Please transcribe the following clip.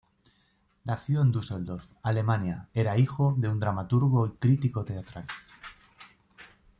Nacido en Düsseldorf, Alemania, era hijo de un dramaturgo y crítico teatral.